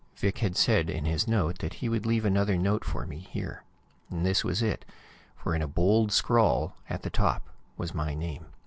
Vic had said in his note, that he would leave another note for me here. This was it, for in a bold scrawl at the top was my name.